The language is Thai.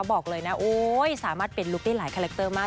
บอกเลยนะโอ๊ยสามารถเป็นลุคได้หลายคาแรคเตอร์มาก